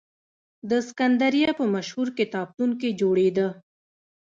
د سکندریه په مشهور کتابتون کې جوړېده.